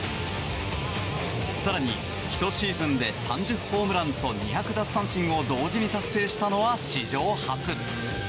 更に、１シーズンで３０ホームランと２００奪三振を同時に達成したのは史上初。